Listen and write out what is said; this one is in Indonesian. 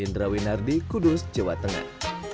indra winardi kudus jawa tengah